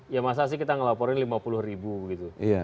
ya masa sih kita ngelaporin lima puluh ribu gitu